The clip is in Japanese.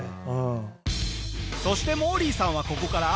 そしてモーリーさんはここから。